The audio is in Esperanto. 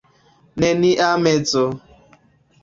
Nenia mezo.